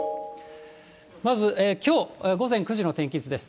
まず、きょう午前９時の天気図です。